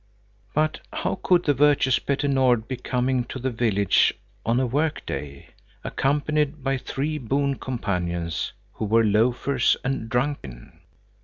But how could the virtuous Petter Nord be coming to the village on a work day, accompanied by three boon companions, who were loafers and drunken?